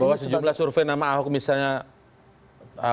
bahwa sejumlah survei nama ahok misalnya